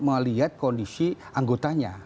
melihat kondisi anggotanya